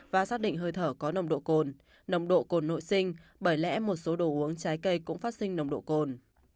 và xác định hơi thở có nồng độ cồn nồng độ cồn nội sinh bởi lẽ một số đồ uống trái cây cũng phát sinh nồng độ cồn